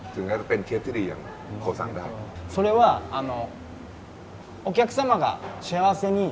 ถึงจะเป็นเชฟที่ดีอย่างโครสังนะครับ